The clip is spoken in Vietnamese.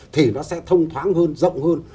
thì nó sẽ thông thoáng hơn rộng hơn